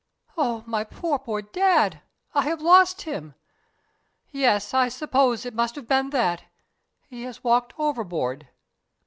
"Oh, my poor, poor Dad, I have lost him! Yes, I suppose it must have been that. He has walked overboard."